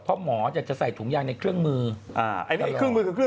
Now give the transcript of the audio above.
เพราะหมอจะส่งถุงยางในเครื่องมือ